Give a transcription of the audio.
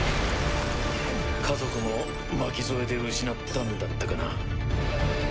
家族も巻き添えで失ったんだったかな。